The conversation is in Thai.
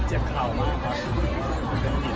ตอนเขาพกเขาให้ดูด้วย